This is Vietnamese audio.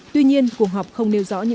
tuy nhiên cuộc họp không nêu rõ